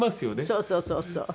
そうそうそうそう。